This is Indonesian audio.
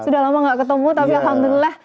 sudah lama gak ketemu tapi alhamdulillah